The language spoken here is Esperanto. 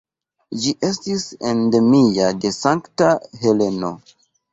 Ĝi estis endemia de Sankta Heleno.